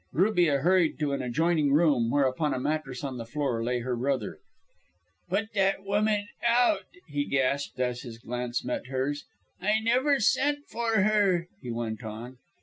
Rubia hurried to an adjoining room, where upon a mattress on the floor lay her brother. "Put that woman out," he gasped as his glance met hers. "I never sent for her," he went on.